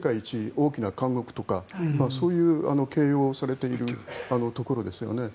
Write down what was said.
大きな監獄とかそういう形容をされているところですよね。